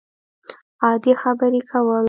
عادي خبرې کول